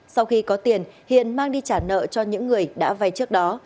sau khi có tiền hiền mang đi trả nợ cho những người đã vay trước đó